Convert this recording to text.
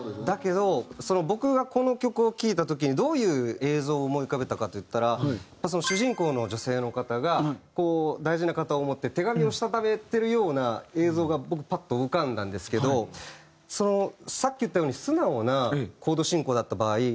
だけど僕がこの曲を聴いた時にどういう映像を思い浮かべたかっていったら主人公の女性の方が大事な方を思って手紙をしたためてるような映像が僕パッと浮かんだんですけどそのさっき言ったように素直なコード進行だった場合。